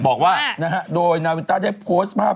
บอกว่านะฮะโดยนาวินต้าได้โพสต์ภาพ